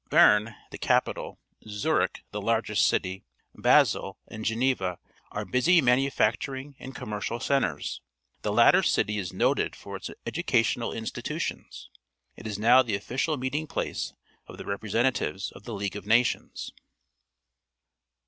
— Bern, the capital, Zurich, the largest city, Basel, and Geneva are busy manufacturing and commercial centres. The latter city is noted for its educational institutions. It is now the official meeting place of the representatives of the League of Nations.